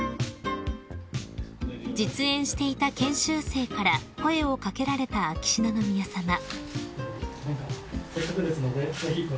［実演していた研修生から声を掛けられた秋篠宮さま］